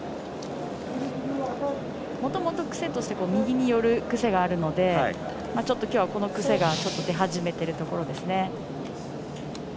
もともと癖として右に寄る癖があるので今日はこの癖が出始めているところですね。